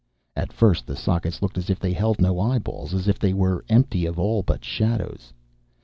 At first, the sockets looked as if they held no eyeballs, as if they were empty of all but shadows.